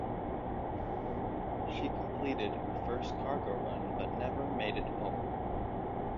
She completed her first cargo run, but never made it home.